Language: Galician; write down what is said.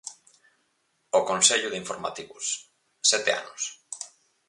O Consello de Informativos: sete anos.